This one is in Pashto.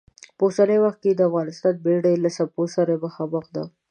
په اوسني وخت کې د افغانستان بېړۍ له څپو سره مخامخ ده.